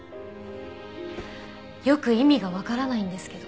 よく意味がわからないんですけど。